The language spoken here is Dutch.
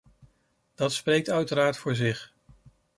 Dat spreekt uiteraard voor zich.